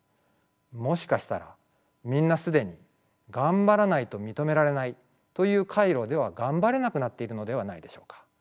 もしかしたらみんな既に「がんばらないと認められない」という回路ではがんばれなくなっているのではないでしょうか。